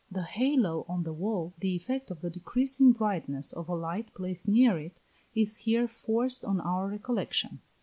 The halo on the wall, the effect of the decreasing brightness of a light placed near it, is here forced on our recollection.